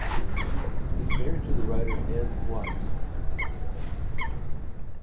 He is married to the writer Ann Thwaite.